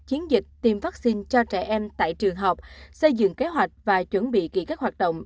chiến dịch tiêm vaccine cho trẻ em tại trường học xây dựng kế hoạch và chuẩn bị kỹ các hoạt động